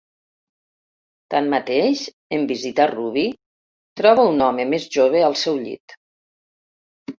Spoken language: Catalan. Tanmateix, en visitar Ruby, troba un home més jove al seu llit.